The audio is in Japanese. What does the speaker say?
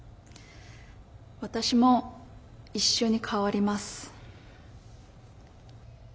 私も一緒に変わります。